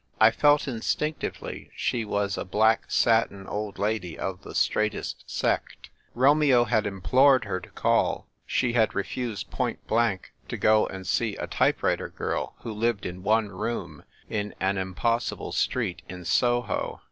I felt instinctively she was a black satin old lady of the straightest sect ; Romeo had implored her to call ; she had refused point blank to go and see a type writer girl who lived in one room in an impossible street in Soho.